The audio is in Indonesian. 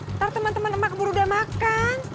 ntar temen temen emak buru udah makan